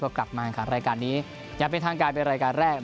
ก็กลับมาค่ะรายการนี้ยังเป็นทางการเป็นรายการแรกนะครับ